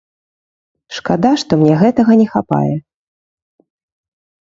Шкада, што мне гэтага не хапае.